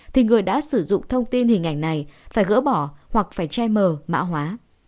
thì người đã sử dụng thông tin hình ảnh này phải gỡ bỏ hoặc phải che mờ mã hóa